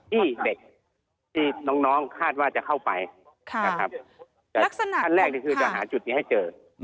ที่เด็กที่น้องคาดว่าจะเข้าไปนะครับแต่ลักษณะขั้นแรกนี่คือจะหาจุดนี้ให้เจอ